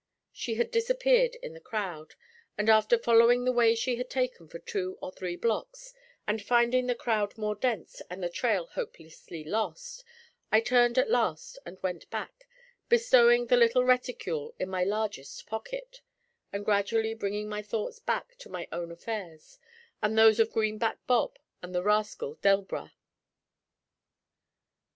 She had disappeared in the crowd, and after following the way she had taken for two or three blocks, and finding the crowd more dense and the trail hopelessly lost, I turned at last and went back, bestowing the little reticule in my largest pocket, and gradually bringing my thoughts back to my own affairs, and those of Greenback Bob and the rascal Delbras.